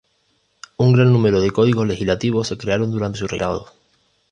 Un gran número de códigos legislativos se crearon durante su reinado.